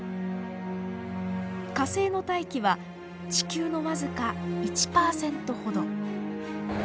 火星の大気は地球の僅か１％ほど。